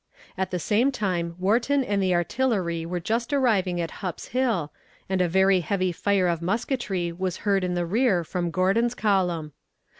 At the same time Wharton and the artillery were just arriving at Hupp's Hill, and a very heavy fire of musketry was heard in the rear from Gordon's column.